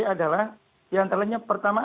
adalah yang terakhirnya pertama